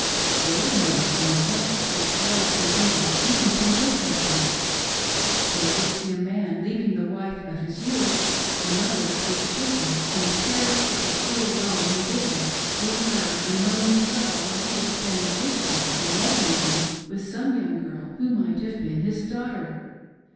They would notice the neglect which wives endured even from good husbands ; they would see a man leaving the wife of his youth, the mother of his children, and careless of the cruel wrong he did her, leave her in lonely sorrow Tvhile he was spending his time in love making with some young girl who might have been his daughter.